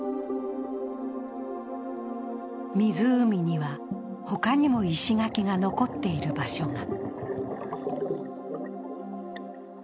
湖には、他にも石垣が残っている場所が。